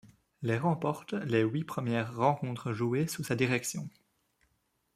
Les remportent les huit premières rencontres jouées sous sa direction.